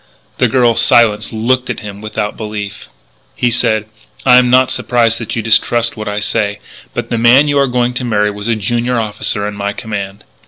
The girl, silenced, looked at him without belief. He said: "I am not surprised that you distrust what I say. But the man you are going to marry was a junior officer in my command.